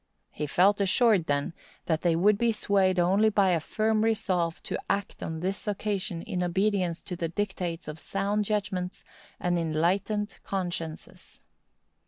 He felt assured, then, that they would be swayed only by a firm resolve to act on this occasion in obedience to the dictates of sound judgments and enlightened consciences.